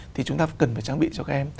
thì chúng ta cần phải trang bị cho các em